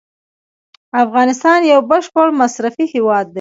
افغانستان یو بشپړ مصرفي هیواد دی.